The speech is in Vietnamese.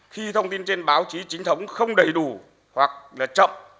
khi thông tin trên báo chí chính thống không đầy đủ hoặc là chậm